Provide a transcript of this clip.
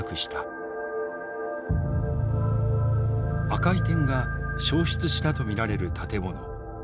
赤い点が焼失したと見られる建物。